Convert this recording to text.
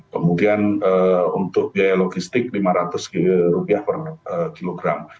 kemudian untuk biaya logistik rp lima ratus per kilogram